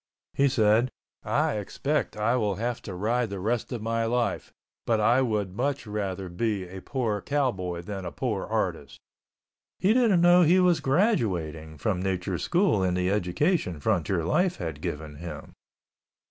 He said, "I expect I will have to ride the rest of my life but I would much rather be a poor cowboy than a poor artist." He didn't know he was graduating from nature's school and the education frontier life had given him.